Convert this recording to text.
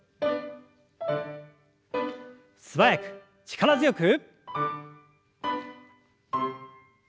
素早く力強く。